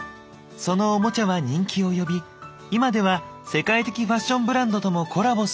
そのオモチャは人気を呼び今では世界的ファッションブランドともコラボするまでに。